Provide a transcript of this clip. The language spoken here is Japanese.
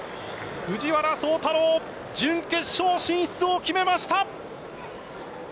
藤原崇太郎準決勝進出を決めました。